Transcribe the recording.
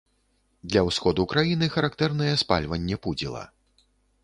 Для ўсходу краіны характэрнае спальванне пудзіла.